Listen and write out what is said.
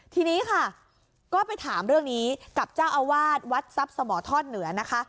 ทีนี้ค่ะก็ไปถามเรื่องนี้กับเจ้าอาวาสวัดทรัพย์สมทอดเหนือนะคะ